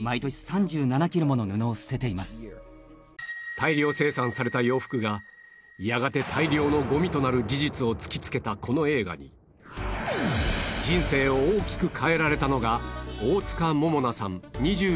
大量生産された洋服がやがて大量のごみとなる事実を突きつけたこの映画に人生を大きく変えられたのが